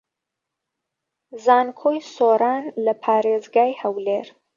زانکۆی سۆران لە پارێزگای هەولێر